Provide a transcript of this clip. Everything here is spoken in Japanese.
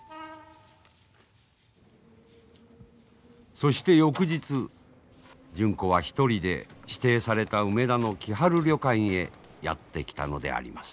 そして翌日純子は一人で指定された梅田の喜春旅館へやって来たのであります。